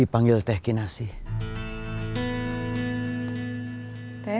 gua tapi wollte jesti ngerasa tapi vpn bak leuke